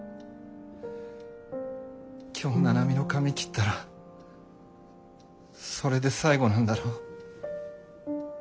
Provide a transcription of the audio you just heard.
今日七海の髪切ったらそれで最後なんだろ？